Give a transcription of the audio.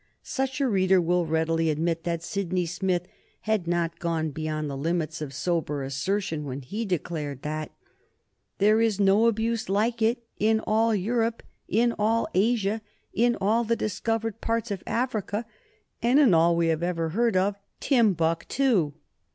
Such a reader will readily admit that Sydney Smith had not gone beyond the limits of sober assertion when he declared that "there is no abuse like it in all Europe, in all Asia, in all the discovered parts of Africa, and in all we have ever heard of Timbuctoo."